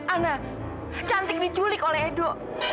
ana cantik diculik oleh edo